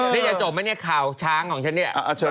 นี่จะจบไหมเนี่ยข่าวช้างของฉันเนี่ย